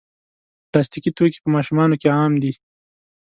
پلاستيکي توکي په ماشومانو کې عام دي.